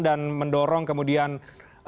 dan mendorong kemudian ini tidak berhenti sampai akhir